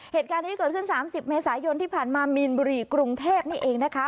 เหตุการณ์นี้เกิดขึ้น๓๐เมษายนที่ผ่านมามีนบุรีกรุงเทพนี่เองนะคะ